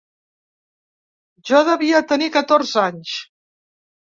Jo devia tenir catorze anys.